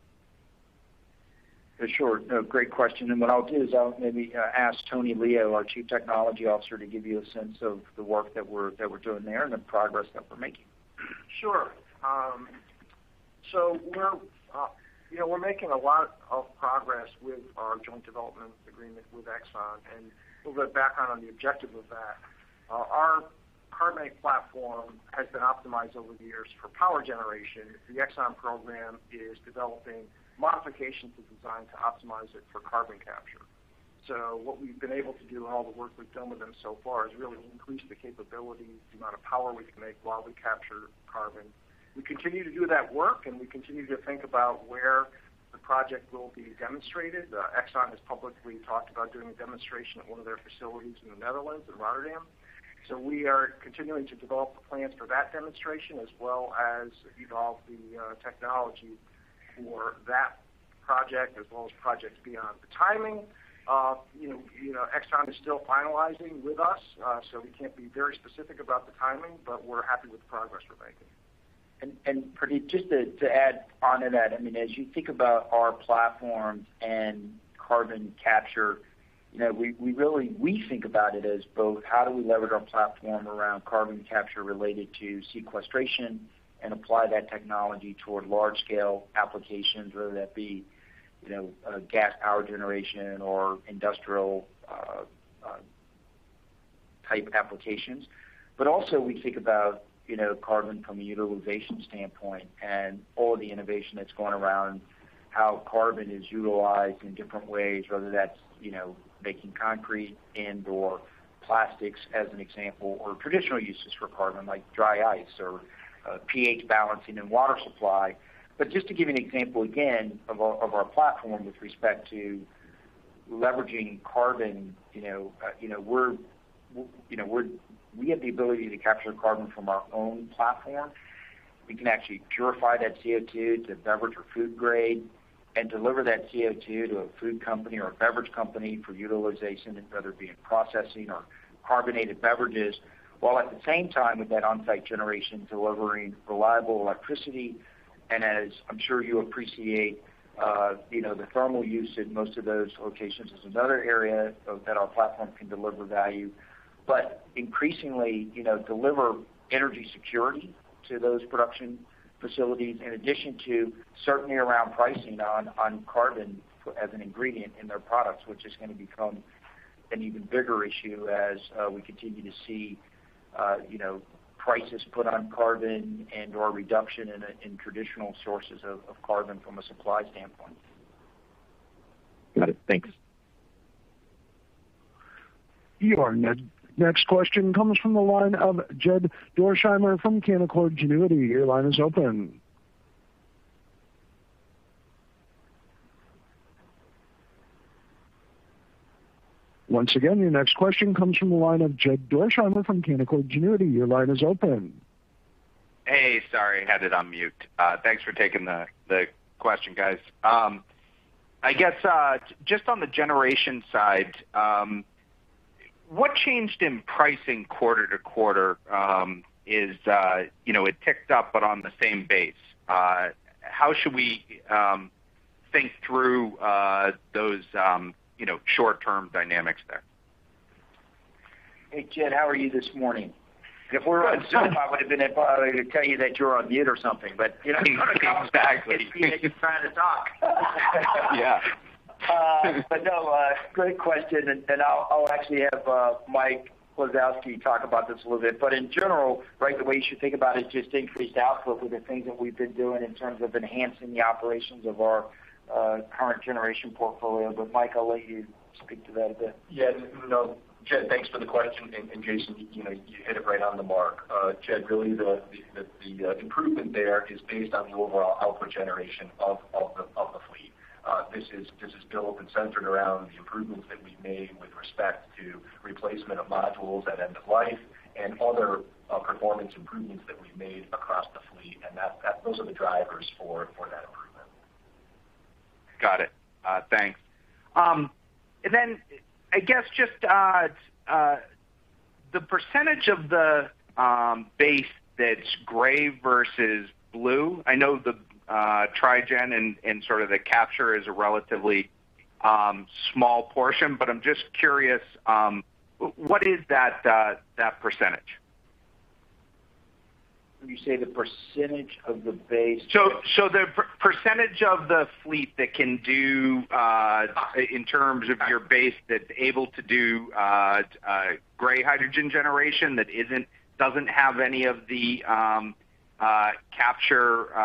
Sure. Great question. What I'll do is I'll maybe ask Tony Leo, our Chief Technology Officer, to give you a sense of the work that we're doing there and the progress that we're making. Sure. We're making a lot of progress with our joint development agreement with Exxon, and a little bit of background on the objective of that. Our carbonate platform has been optimized over the years for power generation. The Exxon program is developing modifications and design to optimize it for carbon capture. What we've been able to do, and all the work we've done with them so far, is really increase the capability, the amount of power we can make while we capture carbon. We continue to do that work, and we continue to think about where the project will be demonstrated. Exxon has publicly talked about doing a demonstration at one of their facilities in the Netherlands, in Rotterdam. We are continuing to develop the plans for that demonstration as well as evolve the technology for that project as well as projects beyond. The timing, Exxon is still finalizing with us, so we can't be very specific about the timing, but we're happy with the progress we're making. Praneeth, just to add onto that, as you think about our platform and carbon capture, we think about it as both how do we leverage our platform around carbon capture related to sequestration and apply that technology toward large scale applications, whether that be gas power generation or industrial type applications. Also we think about carbon from a utilization standpoint and all of the innovation that's going around how carbon is utilized in different ways, whether that's making concrete and/or plastics as an example, or traditional uses for carbon like dry ice or pH balancing in water supply. Just to give you an example, again, of our platform with respect to leveraging carbon, we have the ability to capture carbon from our own platform. We can actually purify that CO2 to beverage or food grade and deliver that CO2 to a food company or a beverage company for utilization, whether it be in processing or carbonated beverages, while at the same time with that on-site generation, delivering reliable electricity. As I'm sure you appreciate, the thermal use in most of those locations is another area that our platform can deliver value. Increasingly, deliver energy security to those production facilities, in addition to certainly around pricing on carbon as an ingredient in their products, which is going to become an even bigger issue as we continue to see prices put on carbon and/or reduction in traditional sources of carbon from a supply standpoint. Got it. Thanks. You are, [Jed]. Next question comes from the line of Jed Dorsheimer from Canaccord Genuity. Your line is open. Once again, your next question comes from the line of Jed Dorsheimer from Canaccord Genuity. Your line is open. Hey, sorry, had it on mute. Thanks for taking the question, guys. I guess, just on the generation side, what changed in pricing quarter-to-quarter? It ticked up, but on the same base. How should we think through those short-term dynamics there? Hey, Jed, how are you this morning? If we were on Zoom, I would have been able to tell you that you're on mute or something. Exactly. You're trying to talk. Yeah. No, great question, and I'll actually have Mike Lisowski talk about this a little bit. In general, right, the way you should think about it, just increased output with the things that we've been doing in terms of enhancing the operations of our current generation portfolio. Mike, I'll let you speak to that a bit. Yeah. No, Jed, thanks for the question. Jason, you hit it right on the mark. Jed, really the improvement there is based on overall output generation of the fleet. This is built and centered around the improvements that we've made with respect to replacement of modules at end of life and other performance improvements that we've made across the fleet. Those are the drivers for that improvement. Got it. Thanks. I guess just the percentage of the base that's gray versus blue, I know the Tri-gen and sort of the capture is a relatively small portion, but I'm just curious, what is that percentage? When you say the percentage of the base. The percentage of the fleet that can do, in terms of your base, that's able to do gray hydrogen generation that doesn't have any of the capture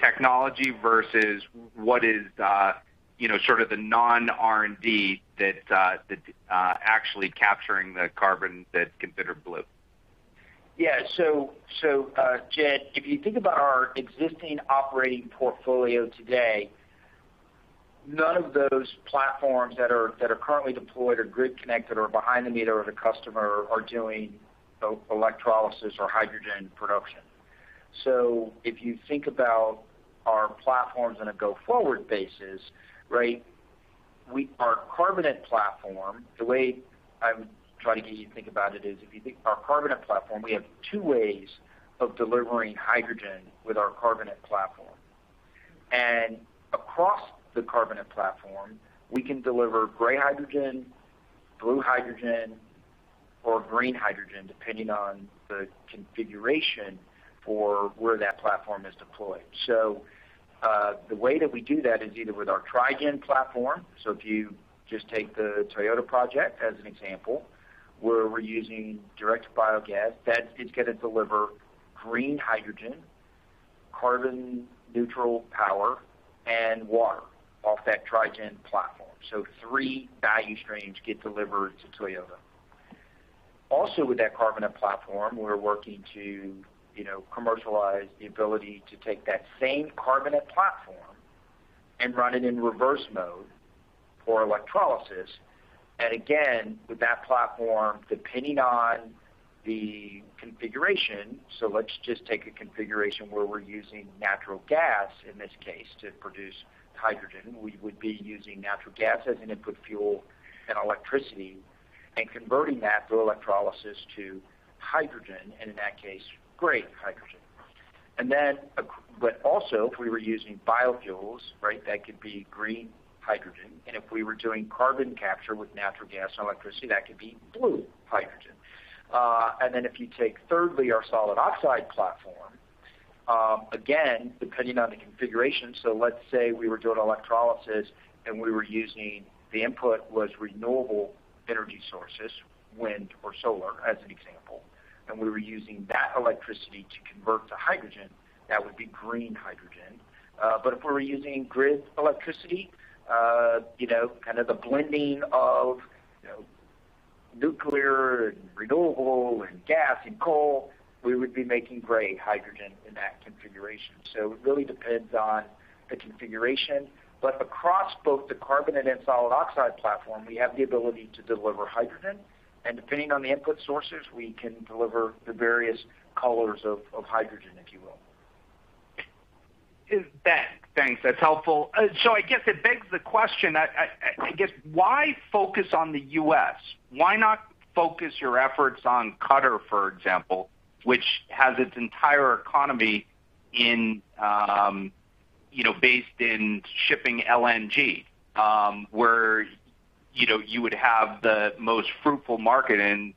technology versus what is sort of the non-R&D that actually capturing the carbon that's considered blue. Yeah. Jed, if you think about our existing operating portfolio today, none of those platforms that are currently deployed or grid connected or behind the meter of the customer are doing electrolysis or hydrogen production. If you think about our platforms on a go-forward basis, our carbonate platform, the way I would try to get you to think about it is if you think of our carbonate platform, we have two ways of delivering hydrogen with our carbonate platform. Across the carbonate platform, we can deliver gray hydrogen, blue hydrogen, or green hydrogen, depending on the configuration for where that platform is deployed. The way that we do that is either with our Tri-gen platform, so if you just take the Toyota project as an example, where we're using direct biogas, that is going to deliver green hydrogen, carbon neutral power, and water off that Tri-gen platform. Three value streams get delivered to Toyota. Also with that carbonate platform, we're working to commercialize the ability to take that same carbonate platform and run it in reverse mode for electrolysis. Again, with that platform, depending on the configuration, so let's just take a configuration where we're using natural gas, in this case, to produce hydrogen. We would be using natural gas as an input fuel and electricity and converting that through electrolysis to hydrogen, in that case, gray hydrogen. Also, if we were using biofuels, that could be green hydrogen. If we were doing carbon capture with natural gas and electricity, that could be blue hydrogen. Then if you take thirdly our solid oxide platform, again, depending on the configuration, let's say we were doing electrolysis and the input was renewable energy sources, wind or solar as an example, and we were using that electricity to convert to hydrogen, that would be green hydrogen. If we were using grid electricity, kind of the blending of nuclear and renewable and gas and coal, we would be making gray hydrogen in that configuration. It really depends on the configuration, but across both the carbonate and solid oxide platform, we have the ability to deliver hydrogen. Depending on the input sources, we can deliver the various colors of hydrogen, if you will. Thanks. That's helpful. It begs the question, why focus on the U.S.? Why not focus your efforts on Qatar, for example, which has its entire economy based in shipping LNG, where you would have the most fruitful market in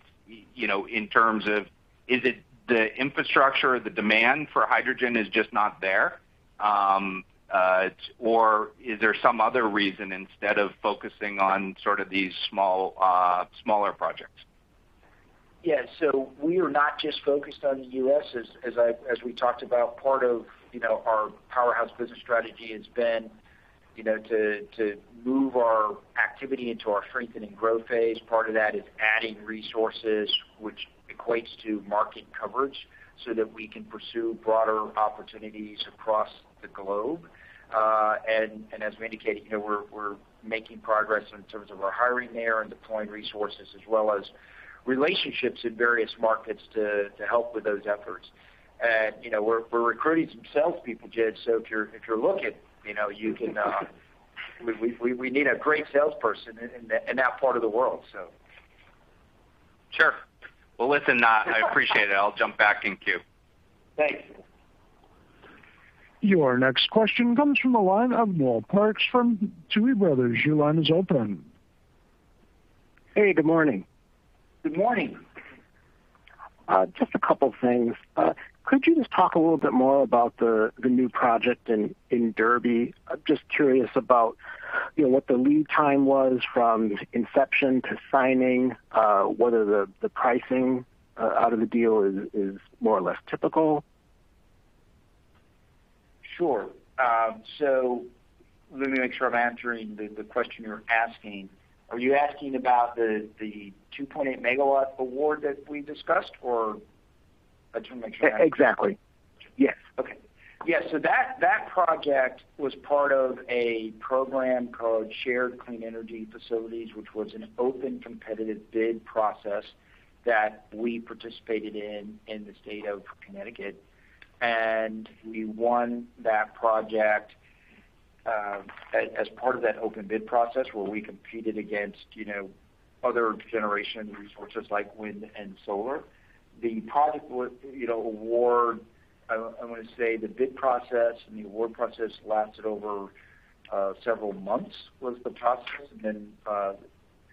terms of is it the infrastructure or the demand for hydrogen is just not there? Is there some other reason instead of focusing on these smaller projects? Yeah. We are not just focused on the U.S. As we talked about, part of our Powerhouse business strategy has been to move our activity into our strengthening growth phase. Part of that is adding resources, which equates to market coverage so that we can pursue broader opportunities across the globe. As we indicated, we're making progress in terms of our hiring there and deploying resources as well as relationships in various markets to help with those efforts. We're recruiting some salespeople, Jed. If you're looking, we need a great salesperson in that part of the world. Sure. Well, listen, I appreciate it. I'll jump back in queue. Thanks. Your next question comes from the line of Noel Parks from Tuohy Brothers. Your line is open. Hey, good morning. Good morning. Just a couple of things. Could you just talk a little bit more about the new project in Derby? I'm just curious about what the lead time was from inception to signing, whether the pricing out of the deal is more or less typical. Sure. Let me make sure I'm answering the question you're asking. Are you asking about the 2.8-MW award that we discussed, or that's from- Exactly. Yes. Okay. Yeah. That project was part of a program called Shared Clean Energy Facilities, which was an open, competitive bid process that we participated in the State of Connecticut. We won that project as part of that open bid process where we competed against other generation resources like wind and solar. I want to say the bid process and the award process lasted over several months, was the process.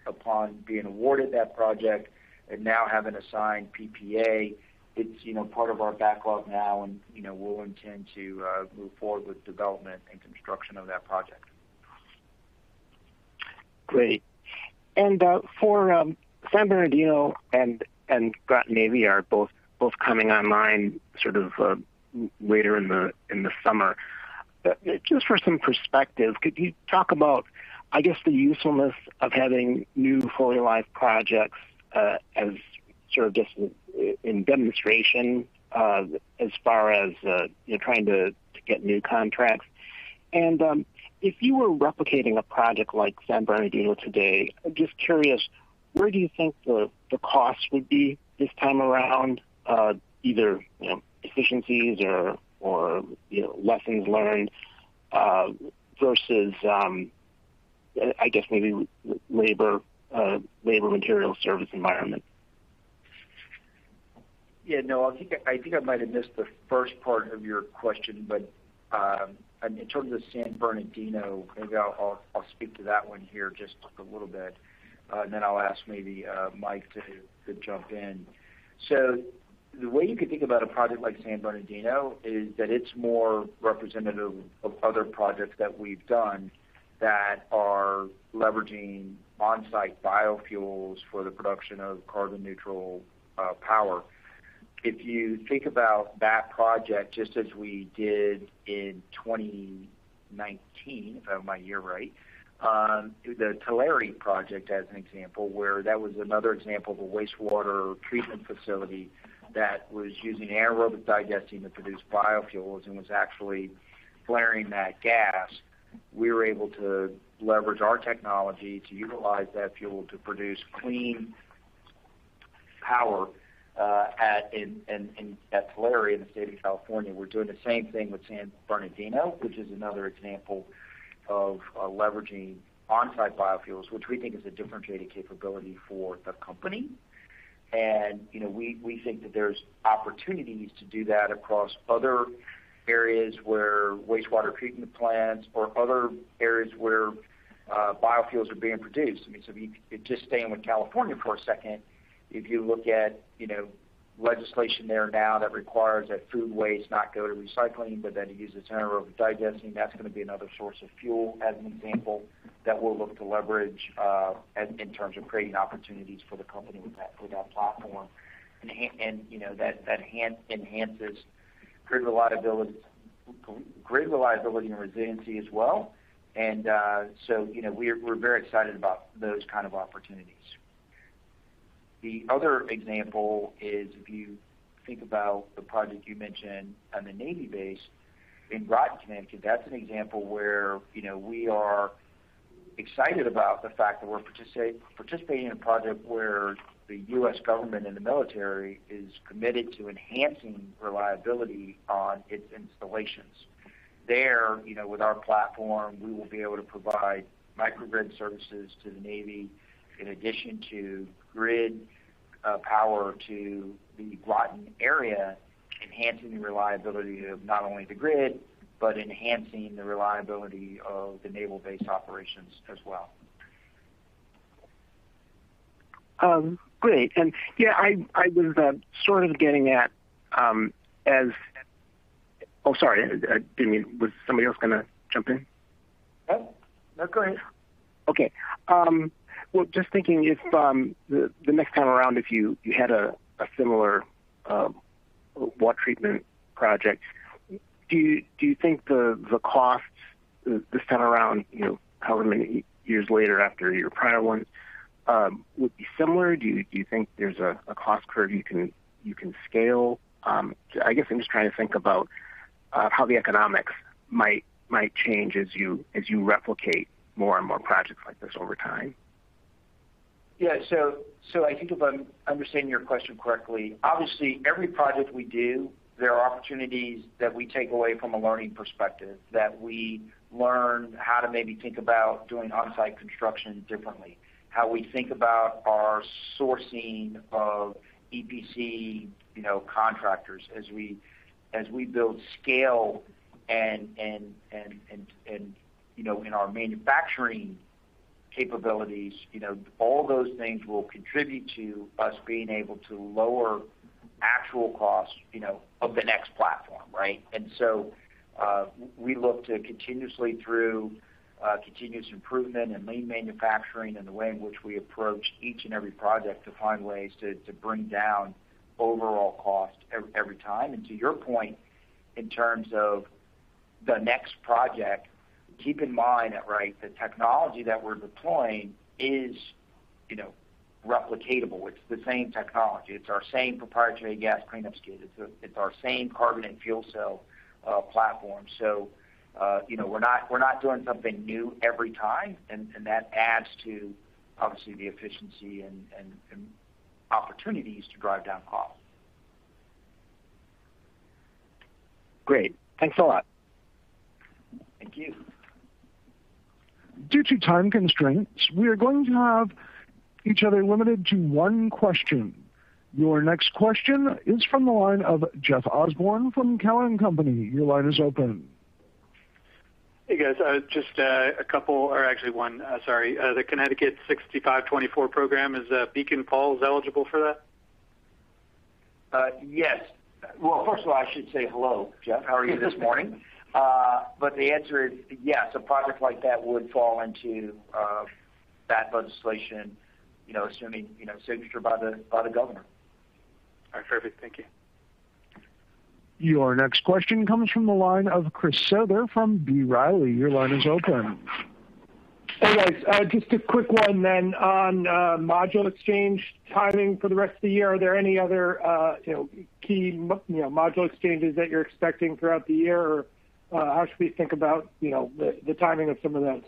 Upon being awarded that project and now having a signed PPA, it's part of our backlog now, and we'll intend to move forward with development and construction of that project. Great. For San Bernardino and Groton Navy are both coming online sort of later in the summer. Just for some perspective, could you talk about, I guess, the usefulness of having new fully live projects as sort of just in demonstration as far as you're trying to get new contracts? If you were replicating a project like San Bernardino today, I'm just curious, where do you think the cost would be this time around either efficiencies or lessons learned versus, I guess maybe labor, material, service environment? Yeah, no, I think I might have missed the first part of your question, but in terms of San Bernardino, maybe I'll speak to that one here just a little bit, and then I'll ask maybe Mike to jump in. The way you can think about a project like San Bernardino is that it's more representative of other projects that we've done that are leveraging on-site biofuels for the production of carbon neutral power. If you think about that project, just as we did in 2019, if I have my year right, the Tulare project as an example, where that was another example of a wastewater treatment facility that was using anaerobic digestion to produce biofuels and was actually flaring that gas. We were able to leverage our technology to utilize that fuel to produce clean power at Tulare in the state of California. We're doing the same thing with San Bernardino, which is another example of leveraging on-site biofuels, which we think is a differentiated capability for the company. We think that there's opportunities to do that across other areas where wastewater treatment plants or other areas where biofuels are being produced. If you just stay in with California for a second, if you look at legislation there now that requires that food waste not go to recycling, but that it use anaerobic digestion, that's going to be another source of fuel as an example that we'll look to leverage in terms of creating opportunities for the company with that platform. That enhances grid reliability and resiliency as well. We're very excited about those kinds of opportunities. The other example is if you think about the project you mentioned on the Navy base in Groton, Connecticut, that's an example where we are excited about the fact that we're participating in a project where the U.S. government and the military is committed to enhancing reliability on its installations. There, with our platform, we will be able to provide microgrid services to the Navy in addition to grid power to the Groton area, enhancing the reliability of not only the grid, but enhancing the reliability of the naval base operations as well. Great. Yeah, I was sort of getting at. Oh, sorry. Was somebody else going to jump in? No, go ahead. Okay. Well, just thinking if the next time around, if you had a similar water treatment project, do you think the cost this time around, however many years later after your prior one, would be similar? Do you think there's a cost curve you can scale? I guess I'm just trying to think about how the economics might change as you replicate more and more projects like this over time. Yeah. I think if I'm understanding your question correctly, obviously, every project we do, there are opportunities that we take away from a learning perspective, that we learn how to maybe think about doing on-site construction differently, how we think about our sourcing of EPC contractors as we build scale and in our manufacturing capabilities. All those things will contribute to us being able to lower actual costs of the next platform, right? We look to continuously through continuous improvement in lean manufacturing and the way in which we approach each and every project to find ways to bring down overall cost every time. To your point, in terms of the next project, keep in mind that, right, the technology that we're deploying is replicatable. It's the same technology. It's our same proprietary gas cleanup stage. It's our same carbon and fuel cell platform. We're not doing something new every time, and that adds to obviously the efficiency and opportunities to drive down costs. Great. Thanks a lot. Thank you. Due to time constraints, we are going to have each other limited to one question. Your next question is from the line of Jeff Osborne from Cowen and Company. Your line is open. Hey, guys. Just a couple or actually one, sorry. The Connecticut 6524 program, is Beacon Falls eligible for that? Yes. Well, first of all, I should say hello, Jeff. How are you this morning? The answer is yes, a project like that would fall into that legislation, assuming signature by the governor. Okay, perfect. Thank you. Your next question comes from the line of Chris Souther from B. Riley. Your line is open. Hey, guys. Just a quick one then on module exchange timing for the rest of the year. Are there any other key module exchanges that you're expecting throughout the year? How should we think about the timing of some of those?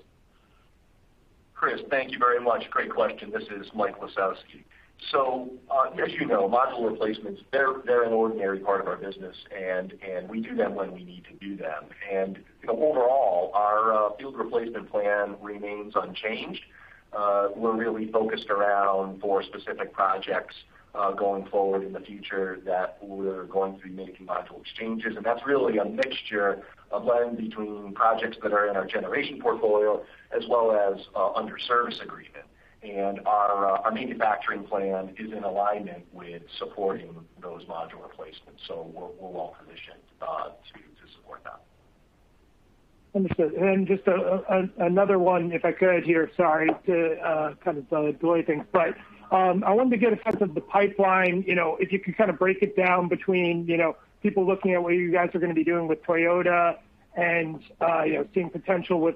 Chris, thank you very much. Great question. This is Mike Lisowski. As you know, module replacements, they're an ordinary part of our business, and we do them when we need to do them. Overall, our field replacement plan remains unchanged. We're really focused around four specific projects going forward in the future that we're going to be making module exchanges. That's really a mixture of blending between projects that are in our generation portfolio as well as under service agreement. Our manufacturing plan is in alignment with supporting those module replacements, so we're well-positioned to support that. Understood. Just another one if I could here. Sorry to kind of delay things, but I wanted to get a sense of the pipeline. If you could kind of break it down between people looking at what you guys are going to be doing with Toyota and seeing potential with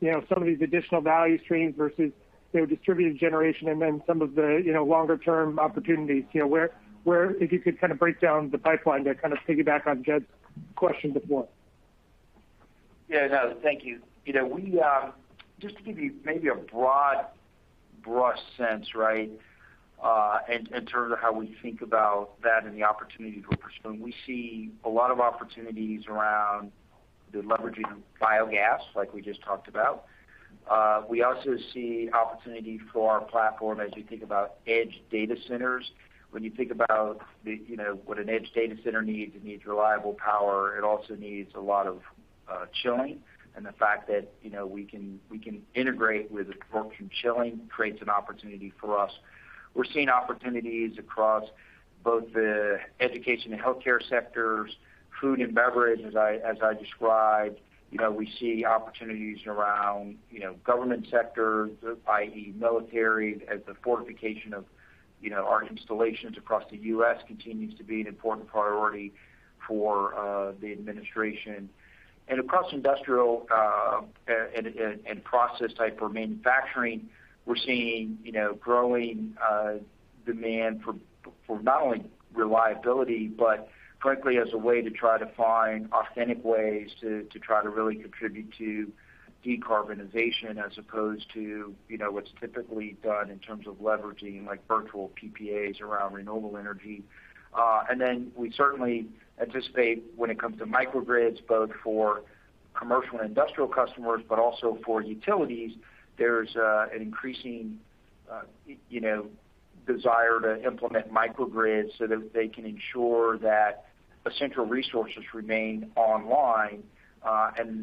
some of these additional value streams versus distributed generation and then some of the longer-term opportunities. If you could kind of break down the pipeline there, kind of piggyback on Jeff's question before. Yeah. No, thank you. Just to give you maybe a broad brush sense, right, in terms of how we think about that and the opportunities going forward. We see a lot of opportunities around the leveraging of biogas like we just talked about. We also see opportunity for our platform as we think about edge data centers. When you think about what an edge data center needs, it needs reliable power. It also needs a lot of chilling. The fact that we can integrate with absorption chilling creates an opportunity for us. We're seeing opportunities across both the education and healthcare sectors, food and beverage, as I described. We see opportunities around government sectors, i.e., military, as the fortification of our installations across the U.S. continues to be an important priority for the administration. Across industrial and process type or manufacturing, we're seeing growing demand for not only reliability, but frankly, as a way to try to find authentic ways to try to really contribute to decarbonization as opposed to what's typically done in terms of leveraging, like virtual PPAs around renewable energy. We certainly anticipate when it comes to microgrids, both for commercial and industrial customers, but also for utilities, there's an increasing desire to implement microgrids so that they can ensure that essential resources remain online.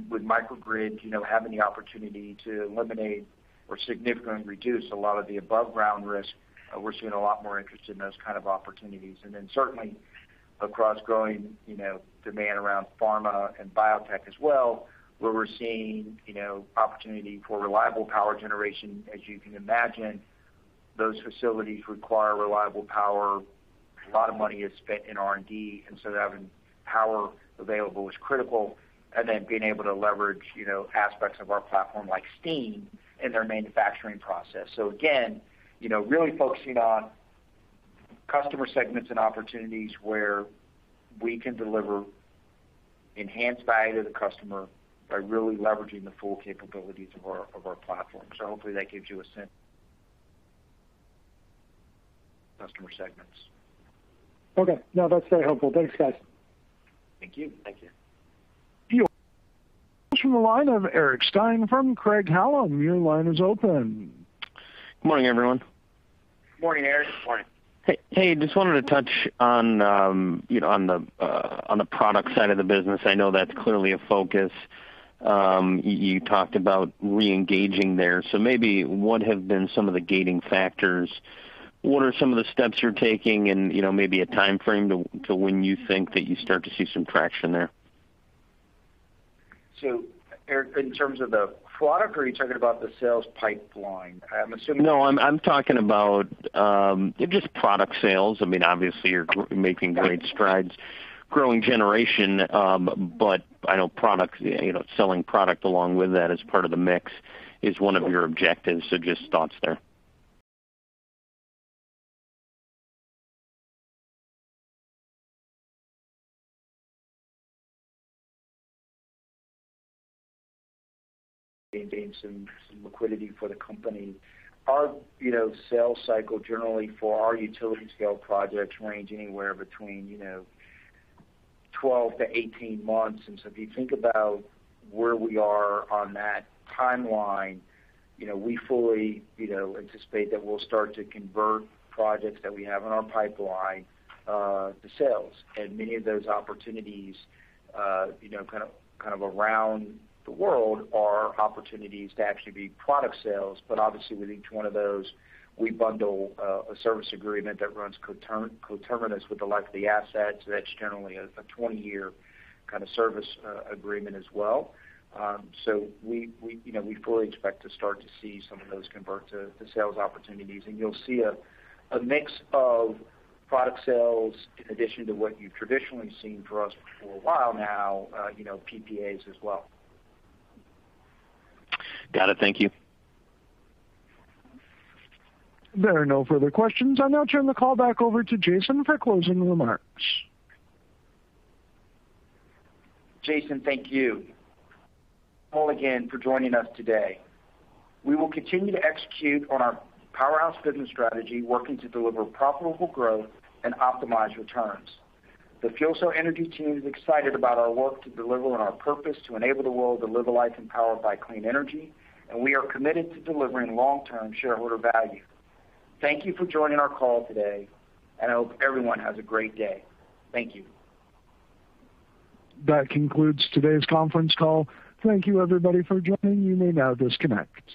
With microgrid having the opportunity to eliminate or significantly reduce a lot of the above-ground risk, we're seeing a lot more interest in those kind of opportunities. Certainly across growing demand around pharma and biotech as well, where we're seeing opportunity for reliable power generation. As you can imagine, those facilities require reliable power. A lot of money is spent in R&D, having power available is critical. Being able to leverage aspects of our platform like steam in their manufacturing process. Again, really focusing on customer segments and opportunities where we can deliver enhanced value to the customer by really leveraging the full capabilities of our platform. Hopefully that gives you a sense. Customer segments. Okay. That's very helpful. Thanks, guys. Thank you. Thank you. From the line, I'm Eric Stine from Craig-Hallum. Good morning, everyone. Good morning, Eric. Hey, just wanted to touch on the product side of the business. I know that's clearly a focus. You talked about reengaging there. Maybe what have been some of the gating factors? What are some of the steps you're taking and maybe a timeframe to when you think that you start to see some traction there? Eric, in terms of the product, or are you talking about the sales pipeline? No, I'm talking about just product sales. Obviously you're making great strides growing generation. I know selling product along with that as part of the mix is one of your objectives. Just thoughts there. Maintaining some liquidity for the company. Our sales cycle generally for our utility scale projects range anywhere between 12-18 months. If you think about where we are on that timeline, we fully anticipate that we'll start to convert projects that we have in our pipeline to sales. Many of those opportunities, kind of around the world are opportunities to actually be product sales. Obviously with each one of those, we bundle a service agreement that runs coterminous with the life of the asset. That's generally a 20-year service agreement as well. We fully expect to start to see some of those convert to sales opportunities, and you'll see a mix of product sales in addition to what you've traditionally seen for us for a while now, PPAs as well. Got it. Thank you. If there are no further questions, I'll now turn the call back over to Jason for closing remarks. Jason, thank you. Thank you all again for joining us today. We will continue to execute on our Powerhouse business strategy, working to deliver profitable growth and optimize returns. The FuelCell Energy team is excited about our work to deliver on our purpose to enable the world to live a life empowered by clean energy, and we are committed to delivering long-term shareholder value. Thank you for joining our call today, and I hope everyone has a great day. Thank you. That concludes today's conference call. Thank you everybody for joining. You may now disconnect.